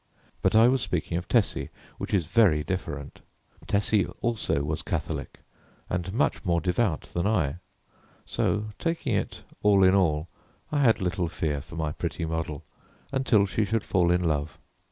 But I was speaking of Tessie, which is very different. Tessie also was Catholic and much more devout than I, so, taking it all in all, I had little fear for my pretty model until she should fall in love.